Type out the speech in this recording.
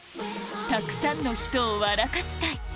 「たくさんの人を笑かしたい」